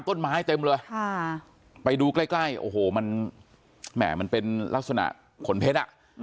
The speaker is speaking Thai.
ต้นไม้เต็มเลยไปดูใกล้ใกล้โอ้โหมันแหม่มันเป็นลักษณะขนเพชรอ่ะ